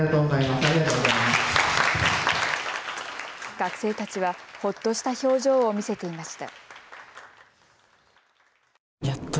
学生たちは、ほっとした表情を見せていました。